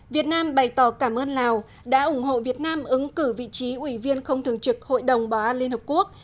việt nam bày tỏ cảm ơn lào đã ủng hộ việt nam ứng cử vị trí ủy viên không thường trực hội đồng bảo an liên hợp quốc